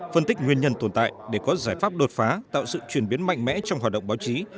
phân tích nguyên nhân tồn tại để có giải pháp đột phá tạo sự chuyển biến mạnh mẽ trong hoạt động báo chí